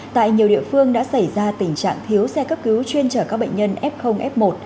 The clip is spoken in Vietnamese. tại nhiều địa phương đã xảy ra tình trạng thiếu xe cấp cứu chuyên chở các bệnh nhân f f một